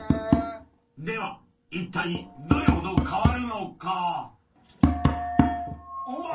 では一体どれほど変わるのかうわ！